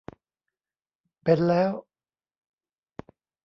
เป็นแล้ว